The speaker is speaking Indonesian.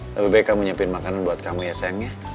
lebih baik kamu nyiapin makanan buat kamu ya sayangnya